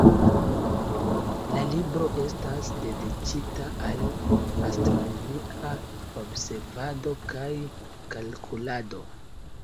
La libro estas dediĉita al astronomia observado kaj kalkulado.